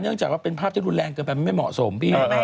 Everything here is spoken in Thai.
เนื่องจากว่าเป็นภาพที่ดูแรงเกินไปไม่เหมาะสมพี่